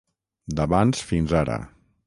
D'abans, fins ara.